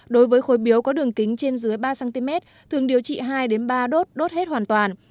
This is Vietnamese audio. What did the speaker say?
đối với khối biếu có đường kính trên dưới ba cm thường điều trị hai ba đốt đốt hết hoàn toàn